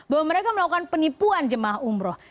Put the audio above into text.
bahwa mereka melakukan penipuan jemaah umroh